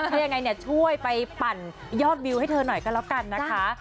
ถ้ายังไงเนี่ยช่วยไปปั่นยอดวิวให้เธอหน่อยก็แล้วกันนะคะ